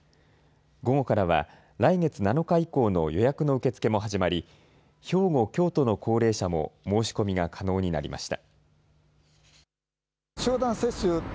午後からは来月７日以降の予約の受け付けも始まり兵庫、京都の高齢者も申し込みが可能になりました。